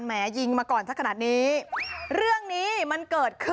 แม้ยิงมาก่อนสักขนาดนี้เรื่องนี้มันเกิดขึ้น